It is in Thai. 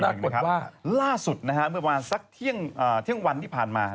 ปรากฏว่าล่าสุดเมื่อประมาณสักเที่ยงวันที่ผ่านมา